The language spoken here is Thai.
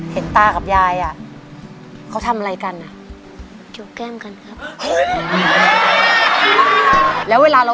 เห็นตาอยู่ด้วยกัน